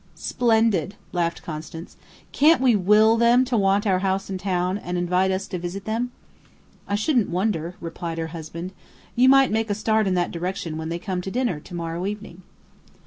"Splendid!" laughed Constance. "Can't we will them to want our house in town, and invite us to visit them?" "I shouldn't wonder," replied her husband. "You might make a start in that direction when they come to dinner to morrow evening."